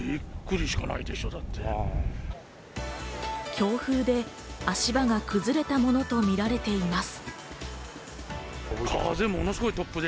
強風で足場が崩れたものとみられています。